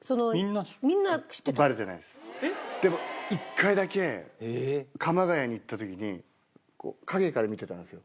でも一回だけ鎌ケ谷に行った時にこう陰から見てたんですよ。